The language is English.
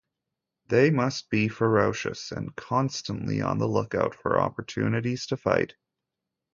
They must be ferocious and constantly on the look out for opportunities to fight.